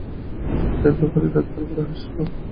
চায়ের দোকানি দাঁত বের করে হাসল।